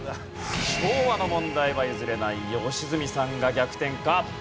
昭和の問題は譲れない良純さんが逆転か？